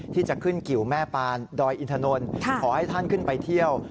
ที่จะขึ้นกิวแม่ปานดอยอินทนนท์ขอให้ท่านขึ้นไปเที่ยว